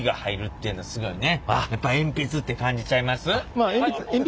やっぱ鉛筆って感じちゃいます？